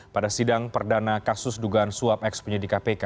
pada sidang perdana kasus dugaan suap eks penyidik kpk